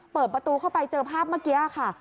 เปิดประตูเข้าไปเจอภาพเมื่อกี้ค่ะ